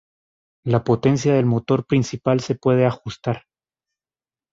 La potencia del motor principal se puede ajustar.